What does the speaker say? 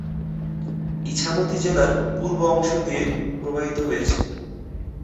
ইছামতি জেলার পূর্ব অংশ দিয়ে প্রবাহিত হয়েছে।